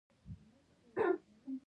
شیطان د انسان لپاره یو خڼډ دی.